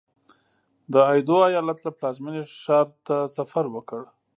د ایدو ایالت له پلازمېنې ښار ته سفر وکړ.